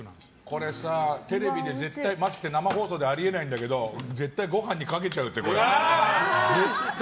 これさ、テレビで絶対マジで生放送じゃあり得ないんだけど絶対ご飯にかけちゃうって。